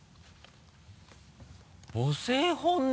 母性本能？